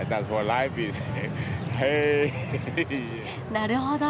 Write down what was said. なるほど。